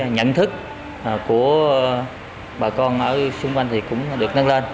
nhận thức của bà con ở xung quanh thì cũng được nâng lên